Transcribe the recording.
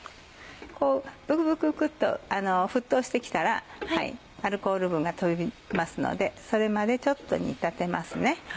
ブクブクブクっと沸騰して来たらアルコール分が飛びますのでそれまでちょっと煮立てます。